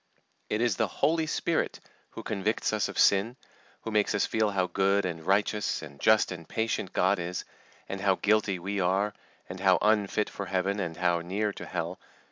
It is the Holy Spirit who convicts us of sin, who makes us feel how good and righteous, and just and patient God is, and how guilty we are, and how unfit for Heaven, and how near to Hell.